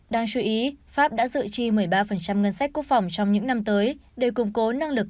đáng chú ý pháp đã dự chi một mươi ba ngân sách quốc phòng trong những năm tới để củng cố năng lực